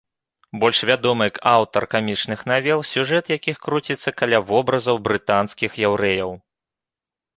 Больш вядомы як аўтар камічных навел, сюжэт якіх круціцца каля вобразаў брытанскіх яўрэяў.